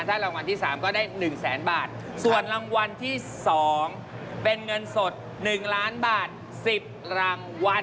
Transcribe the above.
ถ้ารางวัลที่๓ก็ได้๑แสนบาทส่วนรางวัลที่๒เป็นเงินสด๑ล้านบาท๑๐รางวัล